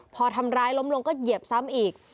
พอทำร้ายล้มลงก็เหยียบซ้ำอีก